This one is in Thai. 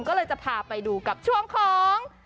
ก็เลยจะพาไปดูกับช่วงของ